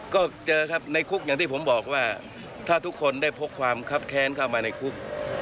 ก็เจอครับในคุกอย่างที่ผมบอกว่าถ้าทุกคนได้พกความคับแค้นเข้ามาในคุก